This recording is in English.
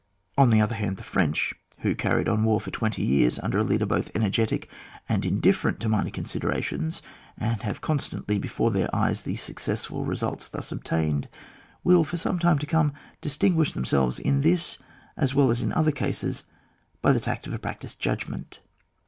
On the other hand, the French who carried on war CHAP. XVI.] DEFENCE OF MOUNTAINS. 129 for twenty years under a leader botli energetic and indifferent to minor con siderations, and haye constantly before their eyes the successful results thus ob tained, will, for some time to come, dis tinguish themselves in this as well as in other cases by the tact of a practised judgment.